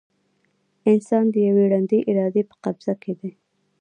انسان د یوې ړندې ارادې په قبضه کې دی.